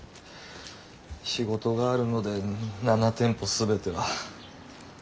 仕事があるので７店舗全ては。